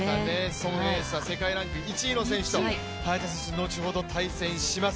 孫エイ莎、世界ランク１位の選手と早田選手後ほど対戦します。